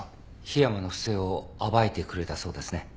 樋山の不正を暴いてくれたそうですね。